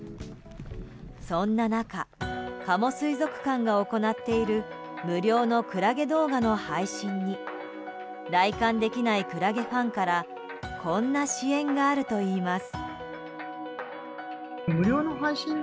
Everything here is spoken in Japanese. そんな中加茂水族館が行っている無料のクラゲ動画の配信に来館できないクラゲファンからこんな支援があるといいます。